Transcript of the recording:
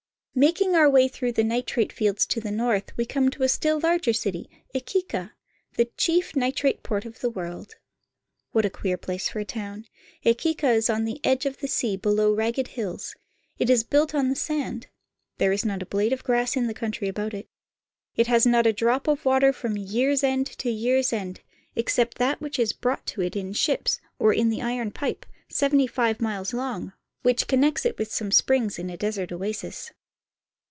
Making our way through the nitrate fields to the north, we come to a still larger city, Iquique (e ke'ka), the chief nitrate port of the world. What a queer place for a town ! Iquique is on the edge of the sea, below ragged hills. It is built on the sand. There is not a blade of grass in the country about it. It has not a drop of water from year's end to year's end, except that which is brought to it in ships or in the iron pipe, seventy five miles long, which connects it with some springs in a desert oasis.